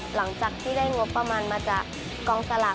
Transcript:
หลังจากที่ได้งบประมาณมาจากกองสลาก